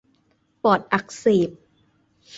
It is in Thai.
ปอดอักเสบ